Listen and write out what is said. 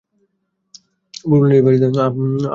ভুলবেন না যে এই বাড়িতে আপনি একজন বেতনভোগী চাকর।